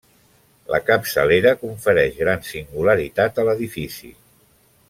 La capçalera confereix gran singularitat a l'edifici.